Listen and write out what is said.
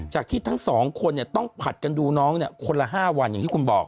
ที่ทั้งสองคนต้องผัดกันดูน้องคนละ๕วันอย่างที่คุณบอก